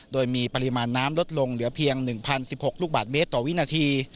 โดยมีปริมาณน้ำลดลงเหลือเพียง๑๐๑๖ลูกบาทเมตรต่อวินาที